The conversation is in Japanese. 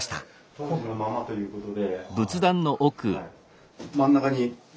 当時のままということで。